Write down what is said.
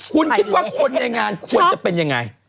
คุณคิดว่าคนในงานควรจะเป็นยังไง